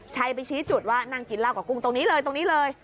ชัยไปชี้จุดว่านั่งกินเหล้ากับกุ้งตรงนี้เลยตรงนี้เลย